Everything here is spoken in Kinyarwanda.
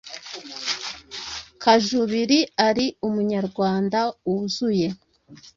Kajubiri ari Umunyarwanda wuzuye